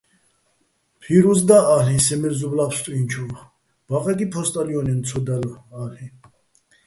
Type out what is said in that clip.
ფირუზ და-ალ'იჼ სე მეზობლა́ ბსტუ́ჲნჩოვ, ბაყეკი ფო́სტალიო́ნეჼ ცო დალო̆-ა́ლ'იჼ.